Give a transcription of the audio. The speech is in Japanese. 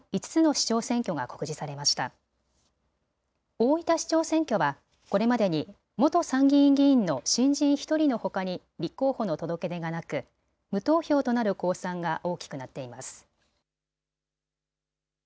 大分市長選挙はこれまでに元参議院議員の新人１人のほかに立候補の届け出がなく、無投票となる公算が大きくなっています。